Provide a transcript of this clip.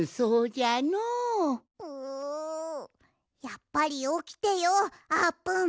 やっぱりおきてようあーぷん。